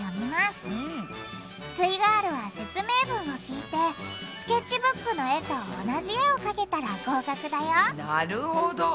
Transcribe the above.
すイガールは説明文を聞いてスケッチブックの絵と同じ絵をかけたら合格だよなるほど！